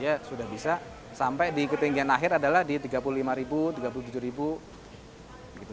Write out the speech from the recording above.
iya sudah bisa sampai di ketinggian akhir adalah di rp tiga puluh lima rp tiga puluh tujuh gitu